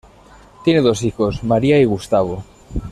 Tiene dos hijos, María y Gustavo.